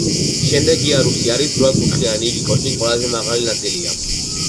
შემდეგი იარუსი არის რვა კუთხიანი, იგი კოშკის ყველაზე მაღალი ნაწილია.